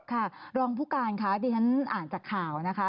ค่ะรองผู้การค่ะดิฉันอ่านจากข่าวนะคะ